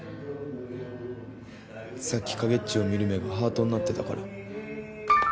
さっき影っちを見る目がハートになってたから。